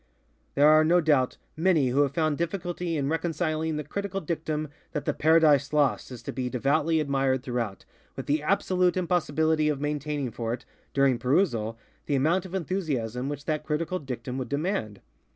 There are, no doubt, many who have found difficulty in reconciling the critical dictum that the ŌĆ£Paradise LostŌĆØ is to be devoutly admired throughout, with the absolute impossibility of maintaining for it, during perusal, the amount of enthusiasm which that critical dictum would demand.